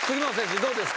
どうですか？